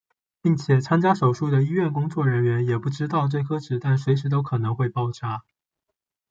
并且参加手术的医院工作人员也不知道这颗子弹随时都可能会爆炸。